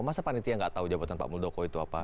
masa panitia gak tahu jabatan pak muldoko itu apa